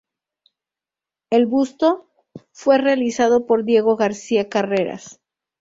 El busto fue realizado por Diego García Carreras.